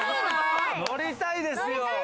乗りたいですよ。